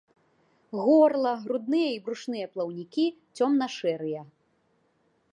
Горла, грудныя і брушныя плаўнікі цёмна-шэрыя.